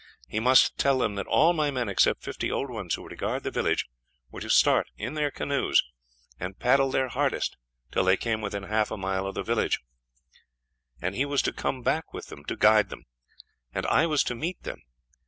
He must tell them that all my men, except fifty old ones who were to guard the village, were to start in their canoes, and paddle their hardest till they came within half a mile of the village, and he was to come back with them to guide them, and I was to meet them.